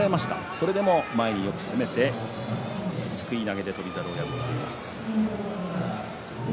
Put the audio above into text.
それでも前によく攻めてすくい投げで翔猿を破っています。